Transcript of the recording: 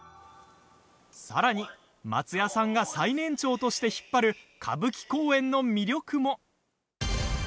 さらに松也さんが最年長として引っ張る歌舞伎公演の魅力も。